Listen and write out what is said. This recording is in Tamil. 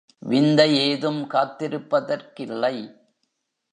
விந்தை ஏதும் காத்திருப்பதற்கில்லை.